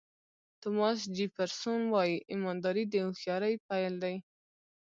توماس جیفرسون وایي ایمانداري د هوښیارۍ پیل دی.